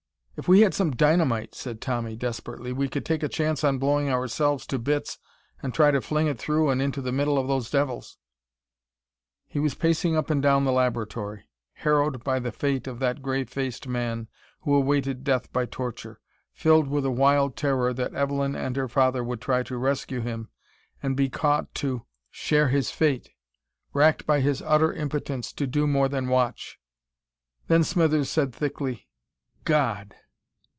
"If we had some dynamite!" said Tommy desperately, "we could take a chance on blowing ourselves to bits and try to fling it through and into the middle of those devils...." He was pacing up and down the laboratory, harrowed by the fate of that gray faced man who awaited death by torture; filled with a wild terror that Evelyn and her father would try to rescue him and be caught to share his fate; racked by his utter impotence to do more than watch.... Then Smithers said thickly: "God!"